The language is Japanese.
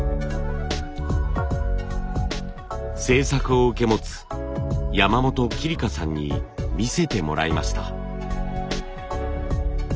製作を受け持つ山本紀理香さんに見せてもらいました。